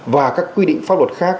và các quy định pháp luật khác